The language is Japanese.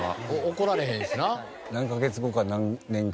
怒られへんしな。